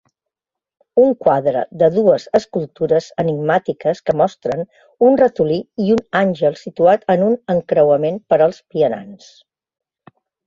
Un quadre de dues escultures enigmàtiques que mostren un ratolí i un àngel situat en un encreuament per als vianants.